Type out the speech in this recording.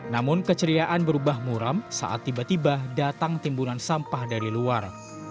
namun keceriaan berubah muram saat tiba tiba datang timbunan sampah dari luar